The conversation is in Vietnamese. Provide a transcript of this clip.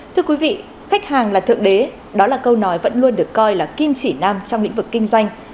thưa quý vị khách hàng là thượng đế đó là câu nói vẫn luôn được coi là kim chỉ nam trong lĩnh vực kinh doanh